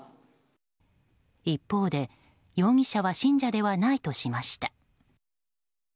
一方で、容疑者は信者ではないとしました。